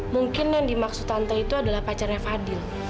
mungkin yang dimaksud tante itu adalah pacarnya fadil